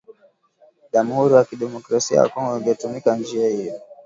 Jamhuri ya kidemokrasia ya Kongo ingetumia njia hiyo